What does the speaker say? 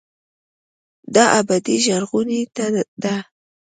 دا ابدي ژغورنې ته ده.